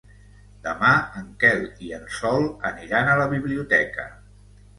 Demà en Quel i en Sol aniran a la biblioteca.